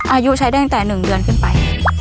อายุใช้ได้ตั้งแต่๑เดือนขึ้นไป